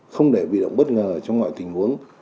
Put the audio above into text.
không để bị động bất ngờ trong mọi tình huống